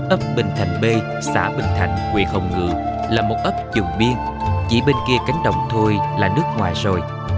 ấp bình thạnh b xã bình thạnh quyền hồng ngự là một ấp trùng biên chỉ bên kia cánh đồng thôi là nước ngoài rồi